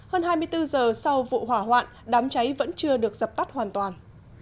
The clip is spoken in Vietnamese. hơn hai mươi bốn giờ sau vụ hỏa hoạn đám cháy vẫn chưa được dập tắt hoàn toàn